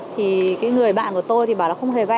thì cái người bạn của tôi thì bảo là không hề vay